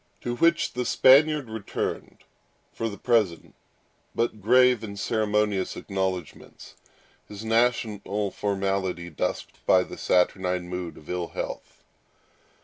To which the Spaniard returned for the present but grave and ceremonious acknowledgments, his national formality dusked by the saturnine mood of ill health.